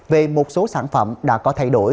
về một số sản phẩm đã có thay đổi